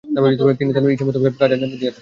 তিনি তার ইচ্ছা মুতাবিক কাজ আঞ্জাম দিয়ে থাকেন।